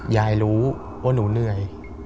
ยายรู้ว่าหนูเหนื่อย